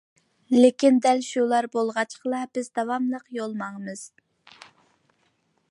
لېكىن دەل شۇلار بولغاچقىلا بىز داۋاملىق يول ماڭىمىز.